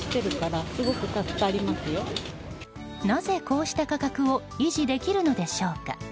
なぜこうした価格を維持できるのでしょうか。